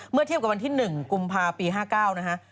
เมื่อเทียบกับวันที่๑กุมภาปี๕๙นะฮะ